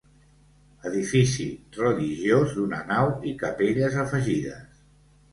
Edifici religiós d'una nau i capelles afegides.